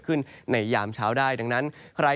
ก็จะมีการแผ่ลงมาแตะบ้างนะครับ